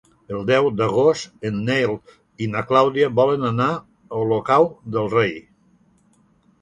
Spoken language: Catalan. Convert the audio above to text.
El deu d'agost en Nel i na Clàudia volen anar a Olocau del Rei.